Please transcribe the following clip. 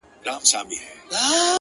هيواد مي هم په ياد دى؛